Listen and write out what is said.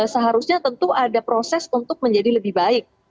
seharusnya tentu ada proses untuk menjadi lebih baik